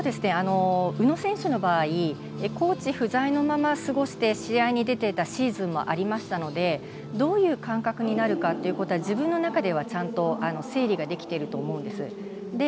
宇野選手の場合はコーチ不在のまま過ごして試合に出ていたシーズンもありましたのでどういう感覚になるかを自分の中ではちゃんと整理ができていると思います。